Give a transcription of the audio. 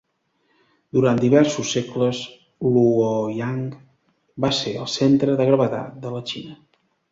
Durant diversos segles, Luoyang va ser el centre de gravetat de la Xina.